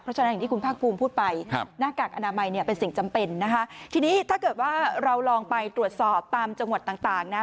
เพราะฉะนั้นอย่างที่คุณภาคภูมิพูดไปหน้ากากอนามัยเนี่ยเป็นสิ่งจำเป็นนะคะทีนี้ถ้าเกิดว่าเราลองไปตรวจสอบตามจังหวัดต่างนะ